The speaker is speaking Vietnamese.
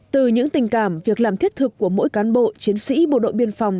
từ những tình cảm việc làm thiết thực của mỗi cán bộ chiến sĩ bộ đội biên phòng